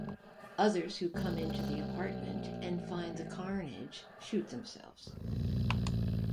Others who come into the apartment and find the carnage shoot themselves.